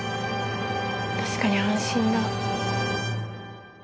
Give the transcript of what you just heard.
確かに安心だ。